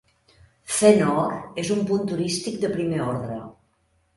Thenoor és un punt turístic de primer ordre.